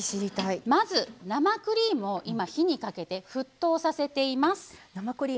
まず生クリームを火にかけて沸騰させています。